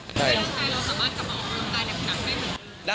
แล้วทำไมเราสามารถกลับมาออกกำลังกายเด็กหนักได้